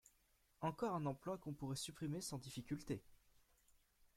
Encore un emploi qu'on pourrait supprimer sans difficulté.